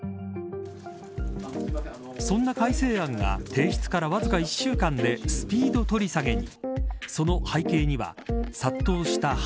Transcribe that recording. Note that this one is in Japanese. そんな改正案が提出からわずか１週間でスピード取り下げに。